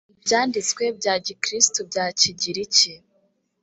ibyanditswe bya gikristo bya kigiriki